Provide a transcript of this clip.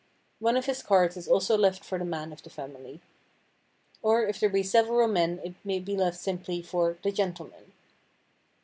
One of his cards is also left for the man of the family. Or if there be several men it may be left simply for "the gentlemen."